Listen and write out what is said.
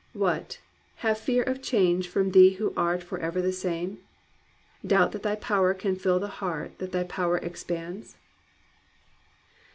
What, have fear of change from thee who art ever the same? Doubt that thy power can fill the heart that thy power expands?